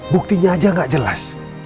buktinya aja gak jelas